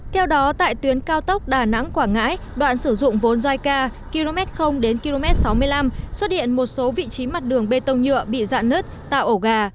theo đó tại tuyến cao tốc đà nẵng quảng ngãi đoạn sử dụng vốn jica km đến km sáu mươi năm xuất hiện một số vị trí mặt đường bê tông nhựa bị dạn nứt tạo ổ gà